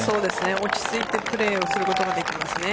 落ち着いてプレーをすることができますね。